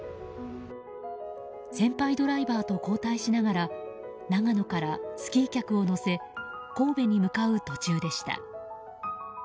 先輩ドライバーと交代しながら長野からスキー客を乗せ神戸に向かう途中でした。